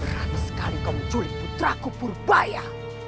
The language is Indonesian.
berani sekali kau menculik putraku purbaya